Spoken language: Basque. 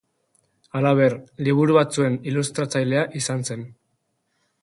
Halaber, liburu batzuen ilustratzailea izan zen.